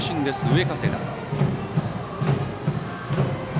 上加世田。